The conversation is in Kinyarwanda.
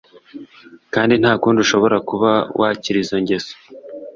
kandi nta kundi ushobora kuba wakira izo ngese